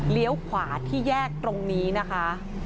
ขวาที่แยกตรงนี้นะคะ